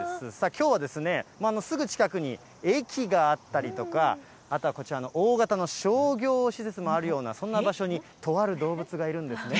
きょうはすぐ近くに駅があったりとか、あとはこちらの大型の商業施設があるような、そんな場所に、とある動物がいるんですね。